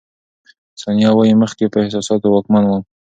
ثانیه وايي، مخکې په احساساتو واکمن وم.